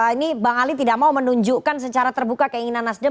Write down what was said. ini bang ali tidak mau menunjukkan secara terbuka keinginan nasdem